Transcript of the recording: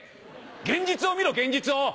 現実を見ろ現実を！